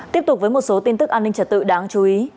tiếp tục với một số tin tức an ninh trật tự đáng chú ý